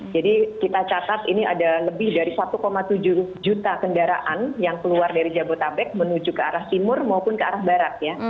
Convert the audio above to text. jadi kita catat ini ada lebih dari satu tujuh juta kendaraan yang keluar dari jabodabek menuju ke arah timur maupun ke arah barat ya